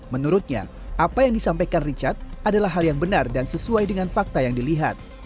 menurutnya apa yang disampaikan richard adalah hal yang benar dan sesuai dengan fakta yang dilihat